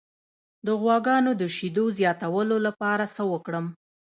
د غواګانو د شیدو زیاتولو لپاره څه وکړم؟